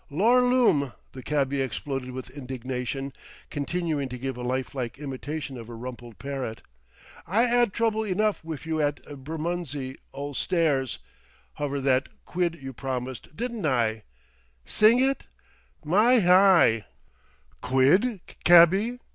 "Lor' lumme!" The cabby exploded with indignation, continuing to give a lifelike imitation of a rumpled parrot. "I 'ad trouble enough wif you at Bermondsey Ol' Stairs, hover that quid you promised, didn't I? Sing it! My heye!" "Quid, cabby?"